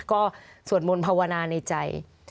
ก็สวดมนต์ภาวนาในใจ